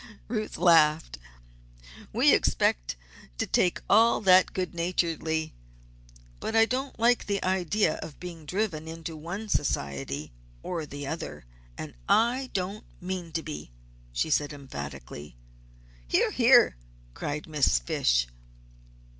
Ruth laughed. "We expect to take all that good naturedly. But I don't like the idea of being driven into one society, or the other. And I don't mean to be," she said, emphatically. "Hear! hear!" cried Miss Fish.